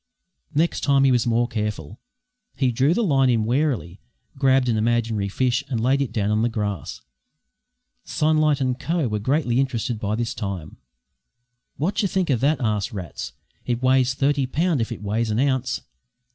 Next time he was more careful. He drew the line in warily, grabbed an imaginary fish and laid it down on the grass. Sunlight and Co. were greatly interested by this time. "Wot yer think o' that?" asked Rats. "It weighs thirty pound if it weighs an ounce!